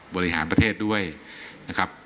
บริหารประเทศด้วยนะครับ